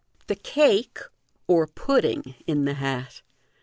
The Cake (or Pudding) in the Hat.